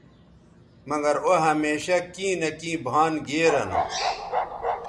مگر او ھمیشہ کیں نہ کیں بھان گیرہ نو